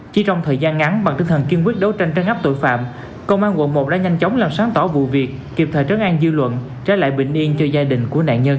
chỉ trong thời gian ngắn bằng tinh thần kiên quyết đấu tranh trấn áp tội phạm công an quận một đã nhanh chóng làm sáng tỏ vụ việc kịp thời trấn an dư luận trả lại bình yên cho gia đình của nạn nhân